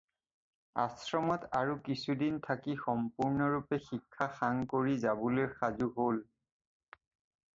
আশ্ৰমত আৰু কিছুদিন থাকি সম্পূৰ্ণৰূপে শিক্ষা সাং কৰি যাবলৈ সাজু হ'ল।